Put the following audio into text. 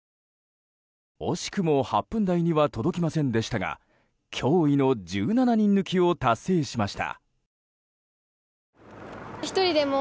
惜しくも８分台には届きませんでしたが驚異の１７人抜きを達成しました。